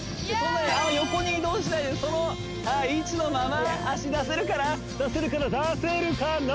横に移動しないでその位置のまま脚出せるかな出せるかな出せるかな？